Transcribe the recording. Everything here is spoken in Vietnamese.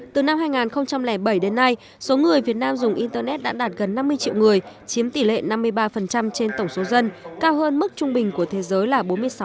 từ năm hai nghìn bảy đến nay số người việt nam dùng internet đã đạt gần năm mươi triệu người chiếm tỷ lệ năm mươi ba trên tổng số dân cao hơn mức trung bình của thế giới là bốn mươi sáu